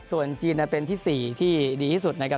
ส่วนจีนเป็นที่๔ที่ดีที่สุดนะครับ